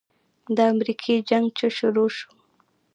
د امريکې جنگ چې شروع سو.